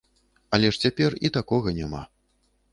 Але ж цяпер і такога няма.